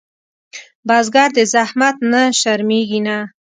بزګر د زحمت نه شرمېږي نه